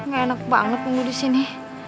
gak enak banget minggu di sini